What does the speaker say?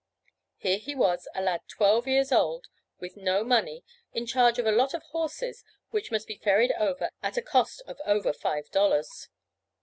Here he was, a lad twelve years old, with no money, in charge of a lot of horses which must be ferried over at a cost of over five dollars.